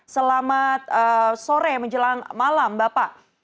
selamat sore menjelang malam bapak